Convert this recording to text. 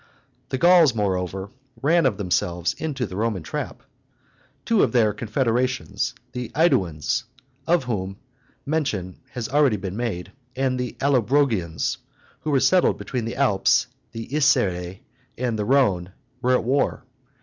The Gauls, moreover, ran of themselves into the Roman trap. Two of their confederations, the AEduans, of whom mention has already been made, and the Allobrogians, who were settled between the Alps, the Isere, and the Rhone, were at war.